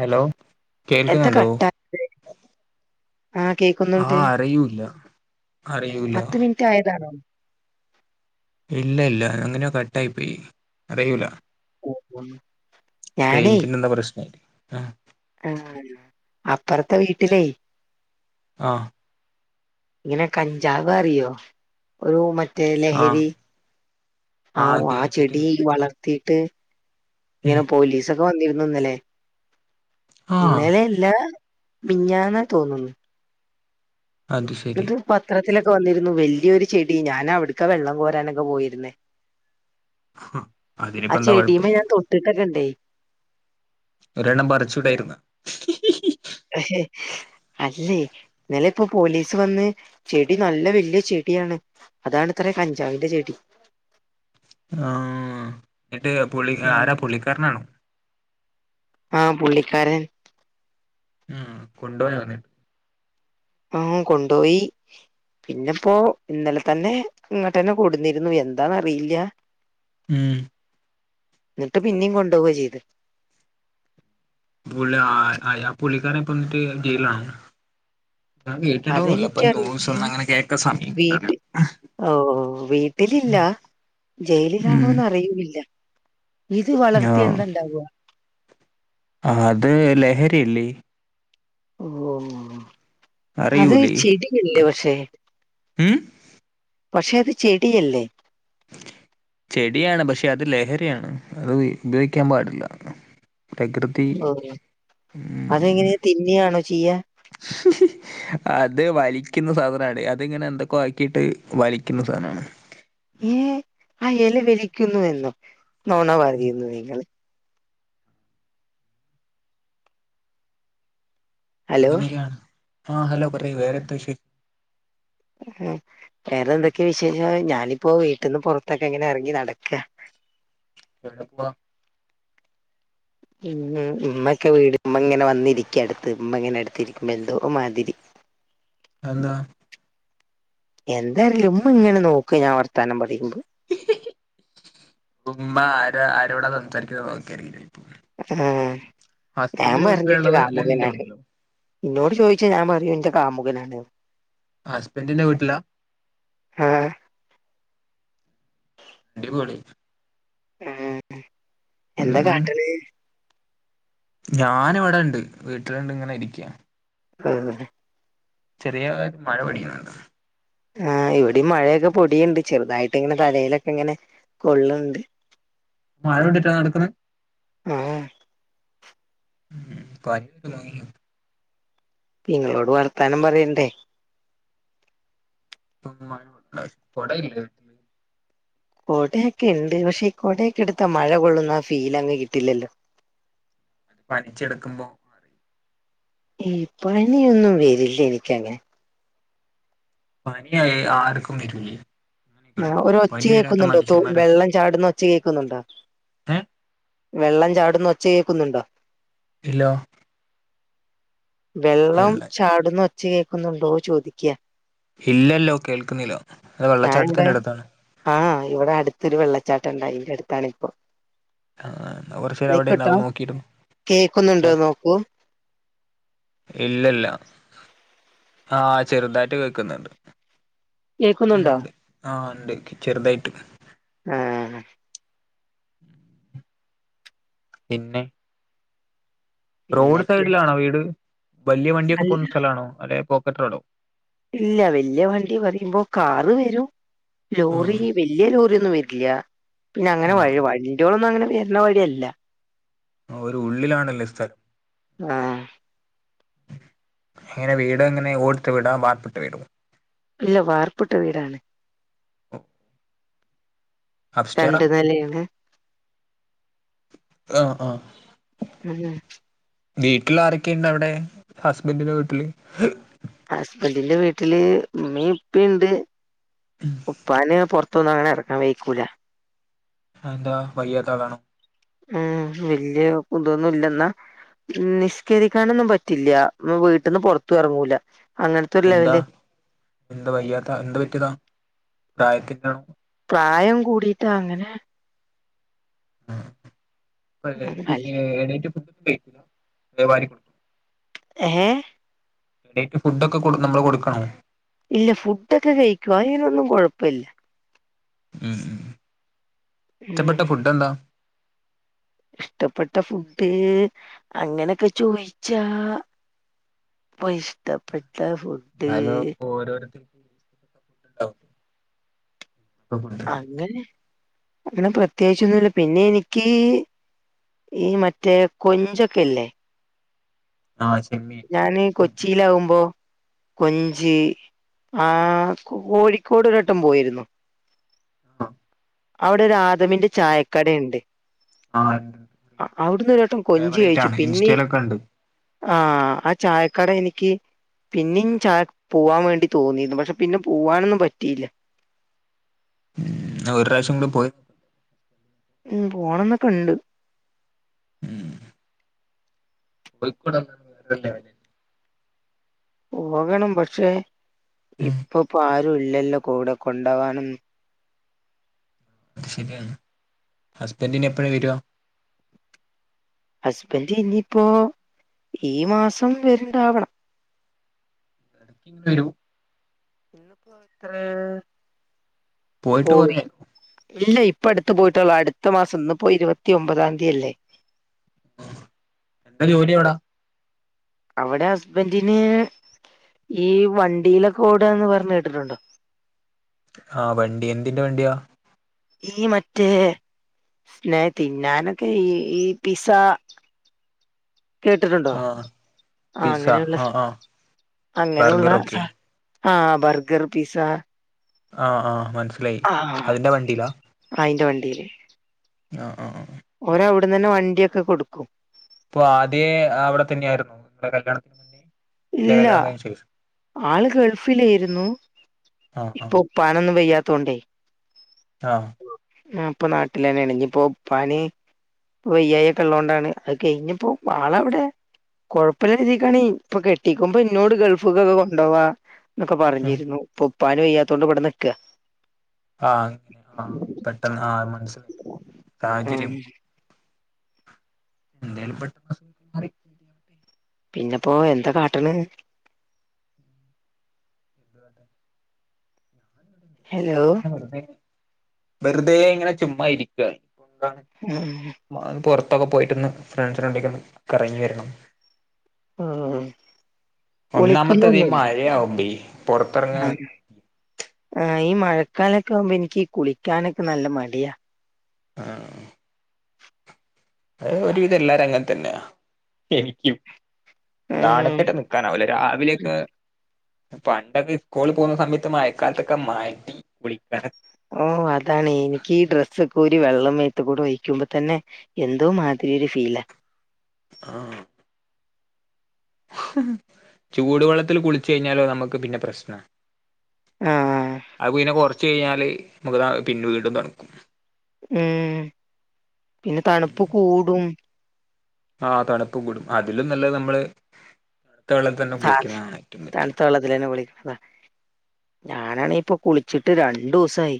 Hello എന്താ കേൾക്കുന്നുണ്ടോ കട്ടായത് ആ കേക്കുന്നുണ്ട് ആഹ് അറിയൂല്ല അറിയൂല പത്ത് മിനിറ്റ് ആയതാണോ ഇല്ല ഇല്ല എങ്ങനെയൊ കട്ടായി പോയി അറിയൂല ഞാനേ റേഞ്ചിന്റെ എന്താ പ്രശ്നമായി ആ അപ്പറത്തെ വീട്ടിലേ ആ ഇങ്ങനെ കഞ്ചാവ് അറിയോ ഒരു മ മറ്റേ ആഹ് ലഹരി ആഹ് ആ ചെടി കേട്ടിട്ടുണ്ട് വളർത്തിട്ട് ഇങ്ങനെ ഉം പോലീസൊക്കെ വന്നിരുന്നു ഇന്നല്ലേ ആഹ് ഇന്നലെല്ലാ മിഞ്ഞാനാ തോന്നുന്നു അത് ശരി ഇത് പത്രത്തിലെ ക്ക് വന്നിരുന്നു വല്യൊരു ചെടി ഞാനവിടക്കാ വെള്ളം കോരാനൊക്കെ പോയിരുന്നേ ഹും, ആ അതിനിപ്പോ എന്താ കൊഴപ്പം ചെടിമ്മേ ഞാൻ തൊട്ടിട്ടൊക്കെ ഇണ്ടേ ഒരെണ്ണം പറിച്ചൂടാരുന്നാ അല്ലേ ഇന്നലെ ഇപ്പോ പോലീസ് വന്ന് ചെടി നല്ല വല്ല്യ ചെടി ചെടിയാണ് അതാണ് ഇത്ര കഞ്ചാവിന്റെ ചെടി ആഹ് എന്നിട്ട് പുള്ളി ഉം ആരാ പുള്ളിക്കാരനാണോ ആഹ് പുള്ളിക്കാരൻ ഉമ് കൊണ്ടോയോ ഓനെ ആഹ് കൊണ്ടോപോയി പിന്നെപ്പോ ഇന്നലെ തന്നെ ഇങ്ങോട്ട് ന്നെ കൂടന്നിരുന്നു എന്താന്ന അറിയില്ല ഉമ് ന്നിട്ട് പിന്നെയും കൊണ്ടോവ ചെയ്തെ പുള്ളി ആഹ് ആഹ് പുള്ളിക്കാരെ പ്പ ന്നിട്ട് ജയിലാണോ ഞാൻ കെട്ടിട്ടോന്നില്ല ഇപ്പൊ ന്യൂസ് അതെനിക്കറിയില്ല ഒന്നും അങ്ങനെ കേക്ക സമയം വീട്ടി [unintelligible] ഓഹ് വീട്ടിലില്ല ഉം ജയിലിലാണോന്ന് അറിയില്ല ഇത് വളർത്തിയ എന്തണ്ടാവ ആഹ് അത് ലഹരിയല്ലേ ഓഹ് അത് ചെടിയല്ലേ പക്ഷെ ഉമ് പക്ഷെ അത് ചെടിയല്ലേ ചെടിയാണ് പക്ഷെ അത് ലഹരിയാണ് അത് ഉപയോഗിക്കാൻ പാടില്ല പ്രകൃതി ഓഹ് ഉമ് അതെങ്ങനെ തിന്നിയാണോ ചെയ്യാ അത് വലിക്കുന്ന സാധനാണ് അതിങ്ങനെ എന്തൊക്കെ ആക്കിട്ട് വലിക്കുന്ന സാധനാ ഏഹ് ആ എല വിലിക്കുന്നു എന്നോ നോണ ഉം പറയരുത് നിങ്ങൾ ഹലോ അങ്ങനാണ് ആഹ് ഹലോ പറ വേറെന്താ വേറെ എന്തൊക്കെയ വിശേഷം ഞാനിപ്പോ വീട്ടിന്ന് പുറത്തൊക്കെ ഇങ്ങനെ ഇറങ്ങി നടക്ക [unintelligible] ഉം ഇമ്മക്കെ വീട് ഇമ്മ ഇങ്ങനെ വന്നിരിക്ക അടുത്ത് ഇമ്മ ഇങ്ങനെ അടുത്തിരിക്കുമ്പോ എന്തോ മാതിരി അന്താ എന്താറില്ല ഉമ്മങ്ങനെ നോക്കും ഞാൻ വർത്താനം പറയുമ്പോ ഉമ്മ ആര ആരോടാ സംസാരിക്കുന്നത് നോക്കായിരിക്കും ഞാൻ പർഞ് വീട്ടിലാ ഇന്റെ ഉള്ളത് അല്ലെ നിന്റെ കാമുകനാണ് വീട്ടിലോ ഇന്നോട് ചോയ്ച്ചാ ഞാൻ പറയും ഇന്റെ കാമുകനാണ്ന്ന് ഹസ്ബന്റിന്റെ വീട്ടിലാ? ആഹ് അടിപൊളി ആഹ് എന്താ കാട്ട്ണ്? ഞാന് ഇവടെണ്ട് വീട്ടില്ണ്ട് ഇങ്ങനെ ഇരിക്ക [unintelligible] ചെറിയ മഴ പെയ്യ്ന്ണ്ട് ആ ഇവിടിം മഴയൊക്കെ പൊടിണ്ട് ചെർതായിട്ട് ഇങ്ങനെ തലിലൊക്കെ ഇങ്ങനെ കൊള്ള്ണ്ട്. മഴ കൊണ്ടിട്ടാ നടക്ണ് ആഹ് [unintelligible] ഇങ്ങളോട് വർത്താനം പറയണ്ടേ? [unintelligible] കൊടഇല്ലേ? കോടയൊക്കെ ഇണ്ട് പക്ഷേ ഈ കോടയൊക്കെ എടുത്താ മഴ കൊള്ളുന്ന ആ ഫീലങ്ങ് കിട്ടില്ലല്ലോ. പനിച്ച് കിടക്കുമ്പോ അറിയും ഉം പനിയൊന്നും വരില്ല എനിക്കങ്ങനെ പനിയായി ആർക്കും വരൂല്ലേ? ആഹ് ഒരു ഒച്ച കേക്കുന്നുണ്ടോ? തോ വെള്ളം ചാടുന്ന ഒച്ച കേക്കുന്നുണ്ടോ? ഹേ വെള്ളം ചാടുന്ന ഒച്ച കേക്കുന്നുണ്ടോ? ഇല്ലോ വെള്ളം ഇല്ല ചാടുന്ന ഒച്ച കേക്ക്ന്നുണ്ടോ ചോദിക്ക ഇല്ലല്ലോ കേൾക്കുന്നില്ല അത് വെള്ളച്ചാട്ടത്തിന്റെ [unintelligible] അടുത്താണ് ആഹ് ഇവിടെ അടുത്തൊരു വെള്ള ച്ചാട്ട ഇണ്ട് അയിന്റെ അട്ത്താണ് ഇപ്പ ആഹ് അഹ് കൊർച്ചേര അവിടെ ഇണ്ടാവു നോക്കിര്ന്നു. കേക്കുന്നുണ്ടോ ആഹ് നോക്കൂ ഇല്ലല്ല ആഹ് ചെറ്തായിട്ട് കേക്ക്ന്ന്ണ്ട്. ഉം കേക്കുന്നുണ്ടോ ഇണ്ട് ആഹ് ഇണ്ട് ചെറ്തായിട്ട്. ആഹ് പിന്നെ റോഡ് പിന്നെപ്പ സൈഡിലാണോ വീട്. വല്ല്യ വണ്ടിയൊക്കെ അല്ല പോവ്ന്ന സ്ഥലആണോ? അതെ പോക്കറ്റ് റോഡോ? ഇല്ല വെല്ല്യ വണ്ടി പറിയുമ്പോ കാറ് വെരും ആഹ് ലോറി വെല്ല്യ ലോറി. ണ്ടി ഒന്നും വെരില്ല. പിന്നെ അങ്ങനെ വഴി ആഹ് വണ്ടിളൊന്നും അങ്ങനെ വെര്ണ വഴിയല്ല. ആ ഒര് ഉള്ളിലാണല്ലേ സ്ഥ ആഹ് എങ്ങനെ വീട എങ്ങനെ ഓടുട്ട വീടാ വാർപ്പിട്ട വീടോ? ഇല്ല വാർപ്പ്ട്ട വീടാണ്. അപ്സ്റ്റെയറാ രണ്ട് നെലയാണ്. ആഹ് ആഹ്. വീട്ടില് ആരെക്കെ ഇണ്ട് അവിടെ? ഹസ്ബന്റിന്റെ വീട്ടില്. ഹസ്ബന്റിന്റെ വീട്ടില് ഉമ്മീ ഇപ്പീണ്ട്. ഉപ്പാന് പൊർ ത്തൊന്നു അങ്ങനെ എറങ്ങാൻ വെയ്ക്കൂല. അഹ് എന്താ വയ്യാത്ത ആളാണോ? ഉം വല്യ കുന്തോന്നും ഇല്ലെന്നാ. ഉം നിസ്കരിക്കാനൊന്നും പറ്റില്ല എന്ന വീട്ടിന്ന് പുറത്തു എറങ്ങൂല. എന്താ എന്താ വയ്യാത്ത എന്ത്‌ പറ്റിയതാ? പ്രായത്തിന്റെണോ? പ്രായം കൂടീട്ടങ്ങനെ ഉം [unintelligible] [unintelligible] കഴിക്കൂല അതോ വാരി കൊടു [inaudible] ഏഹ് എണീറ്റ് ‌ ഫുഡ്ഡൊക്കെ കൊടു നമ്മള് കൊടുക്കണോ? ഇല്ല ഫുഡ്ഡൊക്കെ കഴിക്കും അതിനൊന്നും കൊഴപ്പില്ല. ഇം ഇഹ് ഇഹ് ഇഷ്ടപ്പെട്ട ഉം ഫുഡ്‌ എന്താ? ഇഷ്ടപ്പെട്ട ഫുഡ്ഡ് അങ്ങനൊക്കെ ചോയ്ച്ചാ ഇപ്പ ഇഷ്ടപ്പെട്ട ഫുഡ്ഡ് എന്നാലും [inaudible] ഉണ്ടാവും അങ്ങനെ അങ്ങനെ പ്രത്യേകിച്ചൊന്നും ഇല്ല പിന്നെ എനിക്ക് ഈ മറ്റേ കൊഞ്ചൊക്കെയില്ലേ ആഹ് ചെമ്മീൻ ഞാനീ കൊച്ചിയിലാവുമ്പോ കൊഞ്ച് ആഹ് കൊ കോഴിക്കോട് ഒരു വട്ടം പോയിരുന്നു ആഹ് അവിടൊരു ആദമിന്റെ ചായക്കടേണ്ട്. ആഹ് അ അവിടുന്ന് ഒരു വട്ടം കൊഞ്ചു ഫേവറേറ്റ് കഴിച്ചു ആണ് പിന്നെ ഇൻസ്റ്റയിലൊക്കെ ഉണ്ട് ആഹ് ആ ചായക്കട എനിക്ക് പിന്നെയും ചായക്ക് പോവാൻ വേണ്ടി തോന്നിരുന്നു പക്ഷെ പിന്നെ പോവാനൊന്നും പറ്റിയില്ല. ഒരു പ്രാവശ്യം കൂടി പോയി ഉം പോണംന്നൊക്കെണ്ട് ഉം കോഴിക്കോട് ആണ് വേറെ ലെവൽ പോകണം പക്ഷെ ഇപ്പൊ പ ആരും ഇല്ലല്ലോ കൂടെ കൊണ്ടകാനും അത് ശെരിയാണ് ഹസ്ബൻഡ് ഇനി എപ്പോഴാണ് വരുവ ഹസ്ബൻഡ് ഇനിയിപ്പോ ഈ മാസം വെരിടാവണം [unintelligible] ഇന്നിപ്പോ ഇത്ര പോയിട്ട് കൊറേ ഇല്ല ഇപ്പൊ അടുത്ത് പോയിട്ടുള്ളോ അടുത്ത മാസം ഇന്ന്പ്പോ ഇരുപതിയൊമ്പതാംദി അല്ലെ എന്താ ജോലി അവിടെ അവിടെ ഹസ്ബൻഡിന് ഈ വണ്ടീലൊക്കെ ഓഡാന്ന് പറഞ് കേട്ടിട്ടുണ്ടോ ആ വണ്ടി എന്തിന്റെ വണ്ടിയാ ഈ മറ്റേ സ്നേ തിന്നാനൊക്കെ ഈ ഈ പിസാ [unintelligible] കേട്ടിട്ടുണ്ടോ ആ പിസ്സ അങ്ങനെയുള്ള ആ സ ആ അങ്ങനെയുള്ള ബർഗർ ഒക്കെ സ ആ ബർഗർ പിസ ആ ആ മന ആ അയിന്റെ വണ്ടിയില് ആ ആ ആ ഓർ അവിടന്ന് തന്നെ വണ്ടിയൊക്കെ കൊടുക്കും ഇപ്പൊ ആദ്യ അവിടെ തന്നെയ ആയിരുന്നു നിങ്ങളടെ കല്യാണത്തിന് മുന്നേ അല്ലെ ഇല്ല കല്യാണം കഴിഞ്ഞ ശേഷം ആള് ഗൾഫിലായിരുന്നു ആ ആ ഇപ്പൊ പാനൊന്നും വെയ്യാത്തോണ്ടേ ആ ആ ഇപ്പൊ നാട്ടിൽ തന്നെയാണ് ഇങ്ങിപ്പോ പാനി വയ്യായിക്കെള്ളോണ്ടാണ് അത് കഴിഞ്ഞപ്പോ ആളവിടെ കൊഴപ്പമില്ല ഇരിക്കാന് ഇപ്പൊ കെട്ടിക്കുമ്പോ ഇന്നോട് ഗൾഫ്ക്കൊക്കെ കൊണ്ടോവാ എന്നൊക്കെ പറഞ്ഞിരുന്നു ഉപ്പാന് വയ്യാത്തോണ്ട് ഇവിടെ നിക്കാ ആ അങ്ങ് ആ പെട്ടന്ന് ആ മനസിലായി സാഹചര്യം ഉം എന്തായാലും പെട്ടന്ന് മാറി പിന്നപ്പോ എന്താ കാട്ടണ് എന്തുവാട്ടെ ഹലോ വെറുതേ ഇങ്ങനെ ചുമ്മാ ഇരിക്കുവാണ് ഉം അ പൊറത് ത്തൊക്കെ പോയിട്ടൊന്ന് ഫ്രണ്ട്സിനണ്ടേക്കൊന്ന് കറങ്ങി വരണം ആ ഒന്നാമത്തെതീ മഴയാകുമ്പയേ ആ പൊറത്തെറങ്ങാൻ ആ ഈ മഴക്കാലൊക്കെ ആവുമ്പോ എനിക്കീ കുളിക്കാനൊക്കെ നല്ല മടിയാ ആ അത് ഒരുവിധം എല്ലാരും അങ്ങനെ തന്നെയാ എനിക്കും ഉം തണുത്തിട്ട് നിക്കാനാവില്ല രാവിലെയൊക്കെ പണ്ടൊക്കെ ഇസ്കൂളിൽ പോകുന്ന സമയത്ത് മയക്കാലത്തൊക്കെ മയയത്ത് കുളിക്കാനൊ മം അതാണ് എനിക്കീ ഡ്രസ്സൊക് ക്കൂരി വെള്ളം മേത്തുക്കൂടി ഒഴിക്കുമ്പോ തന്നെ എന്തോ മാതിരി ഒരു ഫീലാ ആ ചൂടുവെള്ളത്തിൽ കുളിച്ചു കഴിഞ്ഞാലോ നമുക്ക് പിന്നെ പ്രശ്ന ആ ആ അത് പിന്നെ കൊറച്ച് കഴിഞ്ഞാല് നമുക്ക് പിന്നെ വീണ്ടും തണുക്കും ഉം പിന്നെ തണുപ്പ് കൂടും ആ തണുപ്പ് കൂടും അതിലും നല്ലത് നമ്മള് വെള്ളത്തിൽ തന്നെ സ [unintelligible] കുളിക്കുന്നതാണ് ഏറ്റവും ബെറ്റർ തണുത്ത വെള്ളത്തിലു തന്നെ കുളിക്കുന്നതാ ഞാനാണേ ഇപ്പൊ കുളിച്ചിട്ട് രണ്ടുസായി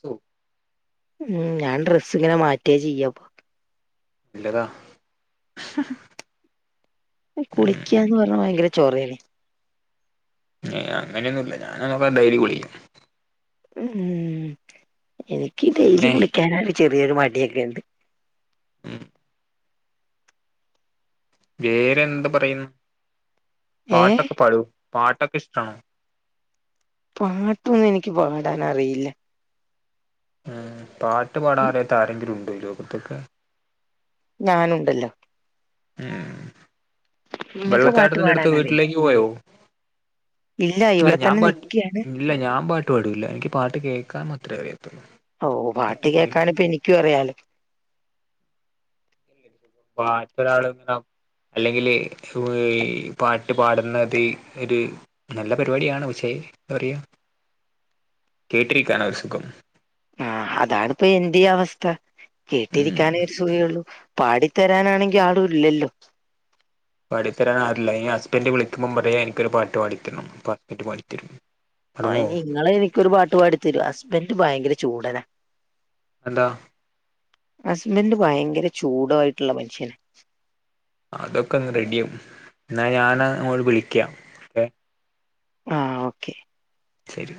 സോ [unintelligible] ഉം ഞാൻ ഡ്രെസ്സ് ഇങ്ങനെ മാറ്റുവേ ചെയ്യൂ ഇല്ലതാ ഈ കുളിക്കാന്ന് പറഞ്ഞാ ഭയങ്കര ചോറാണ് [unintelligible] ഏ അങ്ങനെയൊന്നുവില്ല ഞാനാ നോക്കാ [unintelligible] ഡെയിലി കുളിക്കും ഉം എനിക്ക് ഡെയിലി പിന്നെ കുളിക്കാനാണ് ചെറിയൊരു മടിയൊക്കെയുണ്ട് ഉം വേറെന്തു പറയുന്നു ഏ പാട്ടൊക്കെ പാടുവോ പാട്ടൊക്കെ ഇഷ്ടാണോ പാട്ടൊന്നും എനിക്ക് പാടാനറിയില്ല ഉം പാട്ട് പാടാൻ അറിയാത്ത ആരെങ്കിലും ഉണ്ടോ ഈ ലോകത്തൊക്കെ ഞാനുണ്ടല്ലോ ഉം നിങ്ങക്ക് പാട്ട് വെള്ളച്ചാട്ടത്തിന്റെ അടുത്ത് പാടാനറിയോ വീട്ടിലേക്ക് പോയോ ഇല്ല ഇവിടെ ഞാൻ തന്നെ പാ നിക്കയാണ് ഇല്ല ഞാൻ പാട്ട് പാടൂല്ല എനിക്ക് പാട്ട് കേൾക്കാൻ മാത്രേ അറിയൂ ഓ പാട്ട് കേക്കാനിപ്പോ എനിക്കും അറിയാലോ പാട്ടൊരാള് ഇങ്ങനെ [unintelligible] അല്ലെങ്കില് ഈ പാട്ട് പാടുന്നത് ഒരു നല്ല പരിപാടിയാണ് പക്ഷെ പറയൂ കേട്ടിരിക്കാനാ ഒരു സുഖം ആ അതാണിപ്പോ എന്റെയുംഅവസ്ഥ ഉം കേട്ടിരിക്കാനേ ഒരു സുഖെയൊള്ളു പാടിത്തരാനാണെങ്കി ആളും ഇല്ലല്ലോ പാടി തരാനാരുഇല്ല ഇനിഹസ്ബന്റ് വിളിക്കുമ്പം പറയൂ എനിക്കൊരു പാട്ട് പാടിത്തരൂന്ന് അപ്പൊ ഹസ്ബന്റ് പാടി തരും അയിന് ഇങ്ങള് എനിക്കൊരു പാട്ട്പാടി തരൂ ഹസ്ബന്റ് ഭയങ്കര ചൂടനാ അതെന്താ ഹസ്ബന്റ് ഭയങ്കര ചൂടായിട്ടൊള്ള മനുഷ്യനാ അതൊക്കെ അങ്ങ് റെഡിയാവും എന്നാ ഞാന് അങ്ങട് വിളിക്കാം ഏ ആ ഓക്കെ ശെരി